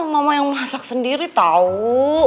mama yang masak sendiri tahu